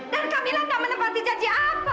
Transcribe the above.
dan kamila nggak menempatkan janji apa